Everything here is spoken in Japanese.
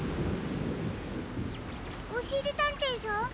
おしりたんていさん？